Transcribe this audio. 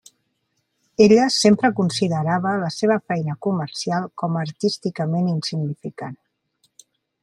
Ella sempre considerava la seva feina comercial com a artísticament insignificant.